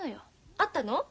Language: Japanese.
会ったの？